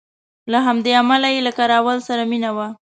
له همدې امله یې له کراول سره مینه وه.